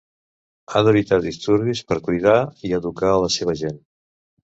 Ha d'evitar disturbis per cuidar i educar a la seva gent.